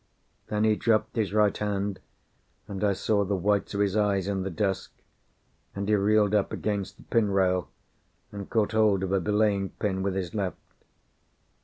Then he dropped his right hand, and I saw the whites of his eyes in the dusk, and he reeled up against the pin rail, and caught hold of a belaying pin with his left.